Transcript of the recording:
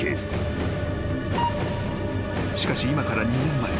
［しかし今から２年前］